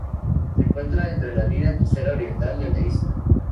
Se encuentra sobre la línea costera oriental de la isla.